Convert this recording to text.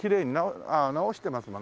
ああ直してますもんね